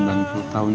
tidak ada yang takut